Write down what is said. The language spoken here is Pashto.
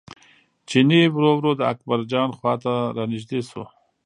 چیني ورو ورو د اکبرجان خواته را نژدې شو.